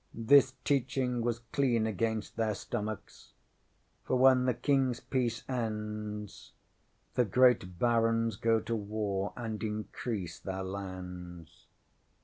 This teaching was clean against their stomachs, for when the KingŌĆÖs peace ends, the great barons go to war and increase their lands.